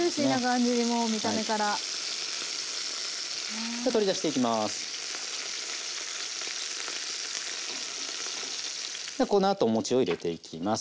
じゃこのあとお餅を入れていきます。